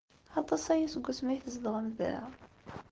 Aṭas aya seg wasmi ay tzedɣem da?